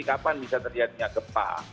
kapan bisa terjadinya gempa